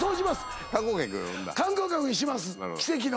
観光客にします奇跡の。